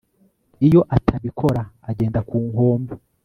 iyo atabikora, agenda ku nkombe